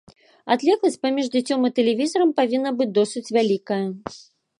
Адлегласць паміж дзіцём і тэлевізарам павінна быць досыць вялікая.